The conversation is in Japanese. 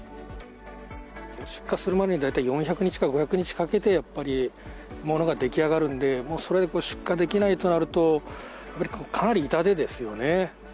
出荷するまでに大体４００日か５００日かけて、やっぱりものができあがるので、それで出荷できないとなると、かなり痛手ですよね。